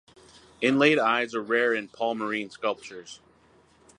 Inlaid eyes are rare in Palmyrene sculptures.